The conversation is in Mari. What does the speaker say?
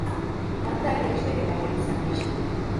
Ынде аллейышт эре пайрем тӱсан лиеш!